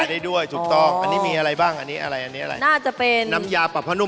อันนี้ด้วยถูกต้องอันนี้มีอะไรบ้างอันนี้อะไรอันนี้อะไรน่าจะเป็นน้ำยาปรับพะนุ่ม